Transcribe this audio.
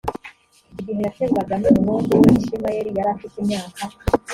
igihe yakebwaga n’umuhungu we ishimayeli yari afite imyaka